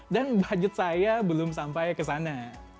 dan budget saya belum sampai ke sana